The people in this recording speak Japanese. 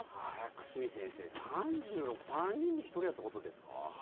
久住先生、３６３人に１人っていうことですか？